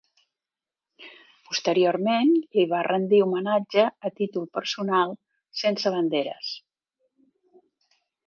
Posteriorment li va rendir homenatge a títol personal, sense banderes.